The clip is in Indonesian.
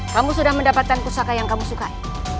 kamu sudah mendapatkan pusaka yang kamu sukai